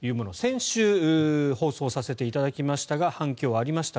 先週放送させていただきましたが反響がありました。